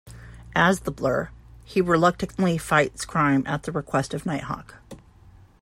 As the Blur, he reluctantly fights crime at the request of Nighthawk.